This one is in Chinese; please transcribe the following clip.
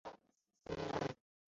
尼布莱。